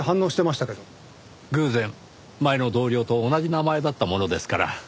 偶然前の同僚と同じ名前だったものですから。